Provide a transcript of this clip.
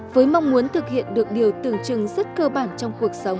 với mong muốn thực hiện được điều tưởng chừng rất cơ bản trong cuộc sống